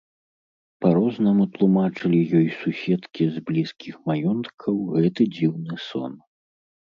Па-рознаму тлумачылі ёй суседкі з блізкіх маёнткаў гэты дзіўны сон.